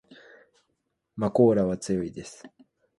まこーらは強いです